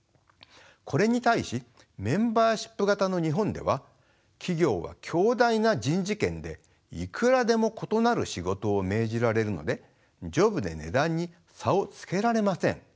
これに対しメンバーシップ型の日本では企業は強大な人事権でいくらでも異なる仕事を命じられるのでジョブで値段に差をつけられません。